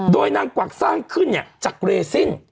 โดยนางกวักสร้างขึ้นจากเรซิน